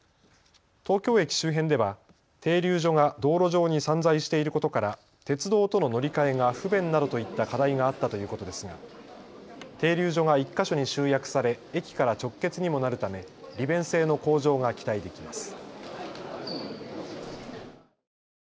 東京駅周辺では停留所が道路上に散在していることから鉄道との乗り換えが不便などといった課題があったということですが停留所が１か所に集約され駅から直結にもなるため利便性の向上が期待できます。